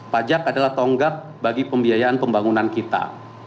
pajak adalah tonggak bagi pembiayaan pembangunan kita